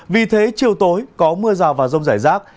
vì thế chiều tối có mưa rào và rông rải rác